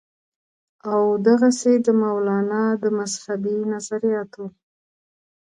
او دغسې د مولانا د مذهبي نظرياتو